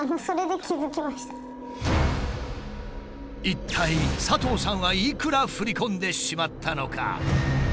一体佐藤さんはいくら振り込んでしまったのか？